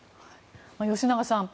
吉永さん